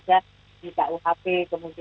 jadi sebetulnya ini menambahkan